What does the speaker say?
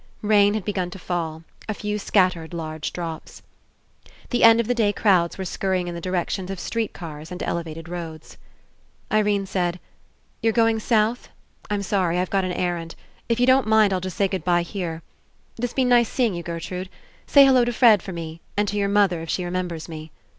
Rain had begun to fall, a few scattered large drops. The end of the day crowds were scurry ing In the directions of street cars and elevated roads. Irene said: "You're going south? I'm sorry. I've got an errand. If you don't mind, I'll just say good bye here. It has been nice seeing you, Gertrude. Say hello to Fred for me, and to your mother If she remembers me.